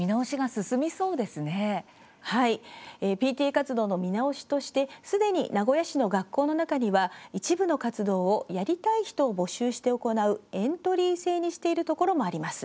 ＰＴＡ活動の見直しとしてすでに、名古屋市の学校の中には一部の活動を、やりたい人を募集して行うエントリー制にしているところもあります。